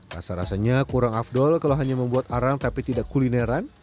rasa rasanya kurang afdol kalau hanya membuat arang tapi tidak kulineran